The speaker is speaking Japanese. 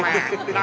何？